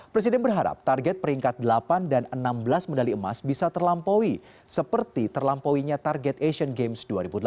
presiden berharap target peringkat delapan dan enam belas medali emas bisa terlampaui seperti terlampauinya target asian games dua ribu delapan belas